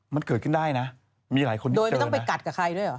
มันเกิดขึ้นได้นะมีหลายคนด้วยโดยไม่ต้องไปกัดกับใครด้วยเหรอ